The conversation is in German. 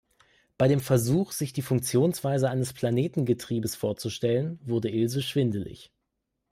Bei dem Versuch, sich die Funktionsweise eines Planetengetriebes vorzustellen, wurde Ilse schwindelig.